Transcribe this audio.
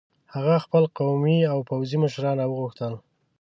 هغه خپل قومي او پوځي مشران را وغوښتل.